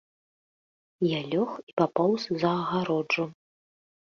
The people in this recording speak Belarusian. Я лёг і папоўз за агароджу.